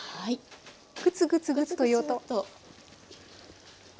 グツグツグツという音。